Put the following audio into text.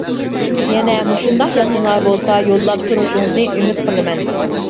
يەنە مۇشۇنداق يازمىلار بولسا يوللاپ تۇرۇشىڭىزنى ئۈمىد قىلىمەن.